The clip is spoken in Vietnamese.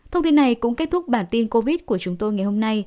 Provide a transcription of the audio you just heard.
thông tin này cũng kết thúc bản tin covid của chúng tôi ngày hôm nay